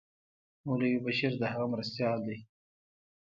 مولوي بشیر د هغه مرستیال دی.